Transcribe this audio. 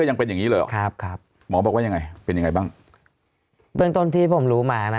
ยังเป็นอย่างงี้เลยเหรอครับครับหมอบอกว่ายังไงเป็นยังไงบ้างเบื้องต้นที่ผมรู้มานะ